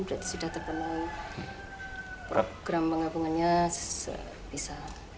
berarti sudah terpenuhi program penggabungannya bisa